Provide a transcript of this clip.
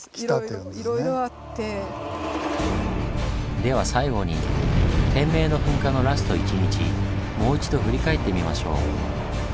では最後に天明の噴火のラスト１日もう一度振り返ってみましょう。